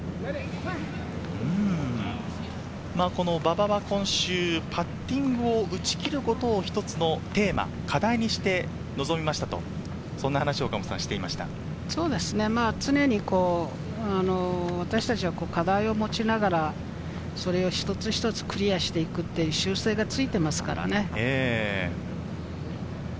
馬場は今週、パッティングを打ち切ることを一つのテーマ、課題に常に私たちは課題を持ちながら、それを一つ一つクリアしていくという習性がついていますからね。